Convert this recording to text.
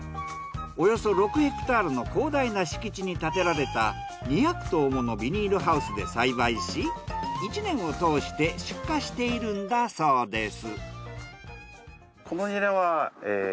およそ６ヘクタールの広大な敷地に建てられた２００棟ものビニールハウスで栽培し１年を通して出荷しているんだそうです。